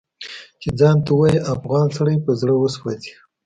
چې ځان ته ووايي افغان سړی په زړه وسوځي